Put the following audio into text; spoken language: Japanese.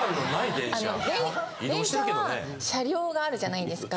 電車は車両があるじゃないですか。